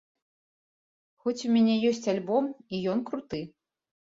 Хоць у мяне ёсць альбом, і ён круты.